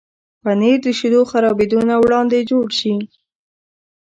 پنېر د شیدو خرابېدو نه وړاندې جوړ شي.